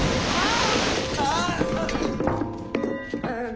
ああ！